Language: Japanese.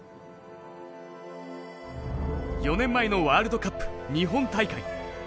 ４年前のワールドカップ日本大会。